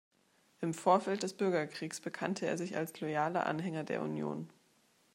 Im Vorfeld des Bürgerkriegs bekannte er sich als loyaler Anhänger der Union.